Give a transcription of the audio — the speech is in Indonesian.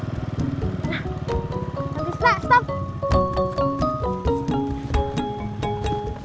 abis mah stop